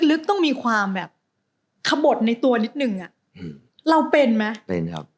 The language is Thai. ลึกต้องมีความแบบขบดในตัวนิดนึงอ่ะเราเป็นไหมเป็นครับ